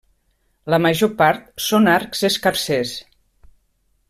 La major part són arcs escarsers.